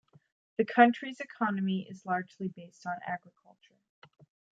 The county's economy is largely based on agriculture.